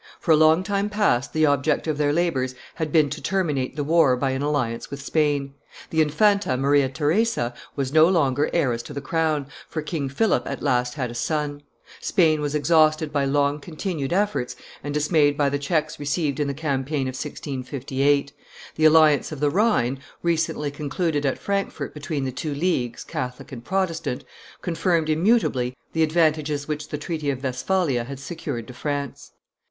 for a long time past the object of their labors had been to terminate the war by an alliance with Spain. The Infanta, Maria Theresa, was no longer heiress to the crown, for King Philip at last had a son; Spain was exhausted by long continued efforts, and dismayed by the checks received in the, campaign of 1658; the alliance of the Rhine, recently concluded at Frankfurt between the two leagues, Catholic and Protestant, confirmed immutably the advantages which the treaty of Westphalia had secured to France.